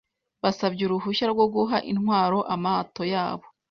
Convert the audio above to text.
Basabye uruhushya rwo guha intwaro amato yabo.